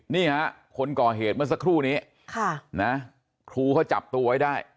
นี่ฮะคนก่อเหตุเมื่อสักครู่นี้ครูเขาจับตัวไว้ได้